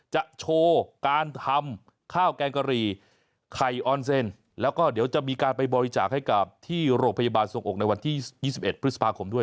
จะโชว์การทำข้าวแกงกะหรี่ไข่ออนเซ็นแล้วก็เดี๋ยวจะมีการไปบริจาคให้กับที่โรงพยาบาลทรงอกในวันที่๒๑พฤษภาคมด้วย